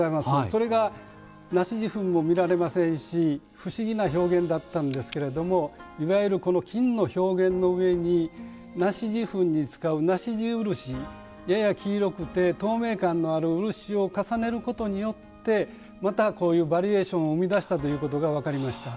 それが梨子地粉も見られませんし不思議な表現だったんですけれどもいわゆるこの金の表現の上に梨子地粉に使う梨子地漆やや黄色くて透明感のある漆を重ねることによってまたこういうバリエーションを生み出したということが分かりました。